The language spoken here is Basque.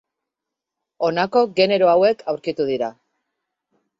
Honako genero hauek aurkitu dira.